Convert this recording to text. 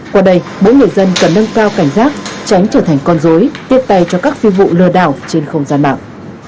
qua đây mỗi người dân cần nâng cao cảnh giác tránh trở thành con dối tiếp tay cho các phiên vụ lừa đảo trên không gian mạng